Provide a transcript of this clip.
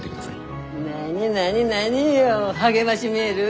何何何よ励ましメール？